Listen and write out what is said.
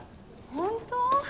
本当？